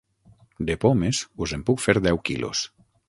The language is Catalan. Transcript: De pomes, us en puc fer deu quilos.